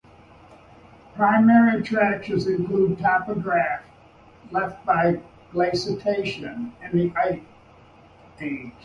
Primary attractions include topography left by glaciation in the Last Ice Age.